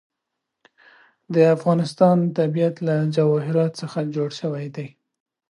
د افغانستان طبیعت له جواهرات څخه جوړ شوی دی.